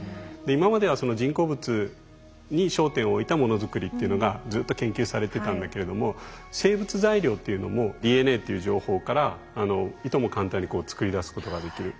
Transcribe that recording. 今までは人工物に焦点を置いたもの作りっていうのがずっと研究されてたんだけれども生物材料っていうのもＤＮＡっていう情報からいとも簡単に作り出すことができる。